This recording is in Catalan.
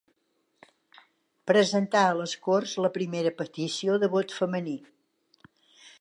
Presentà a les Corts la primera petició de vot femení.